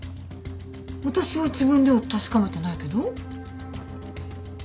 私は自分では確かめてないけど？